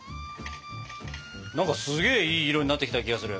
すげえいい色になってきた気がする。